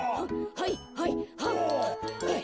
はいはいはんはん。